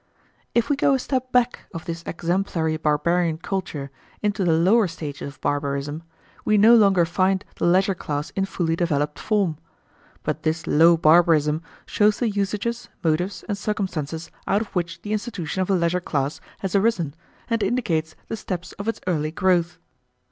If we go a step back of this exemplary barbarian culture, into the lower stages of barbarism, we no longer find the leisure class in fully developed form. But this lower barbarism shows the usages, motives, and circumstances out of which the institution of a leisure class has arisen, and indicates the steps of its early growth.